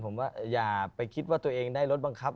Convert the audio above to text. ผมว่าอย่าไปคิดว่าตัวเองได้รถบังคับ